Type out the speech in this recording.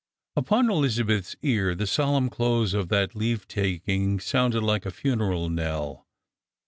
Upon Elizabeth's ear the solemn close of that leavetaking Bounded like a funeral knell.